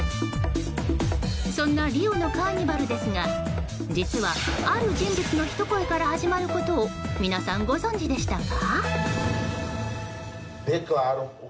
そんなリオのカーニバルですが実は、ある人物のひと声から始まることを皆さん、ご存じでしたか？